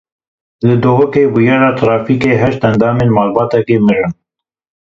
Li Duhokê bûyera trafîkê: heşt endamên malbatekê mirin.